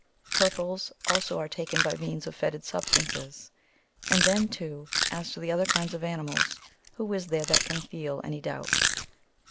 Purples also are taken by means of fetid substances. And then, too, as to the other kinds of animals, who is there that can feel any doubt?